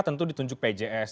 tentu ditunjuk pjs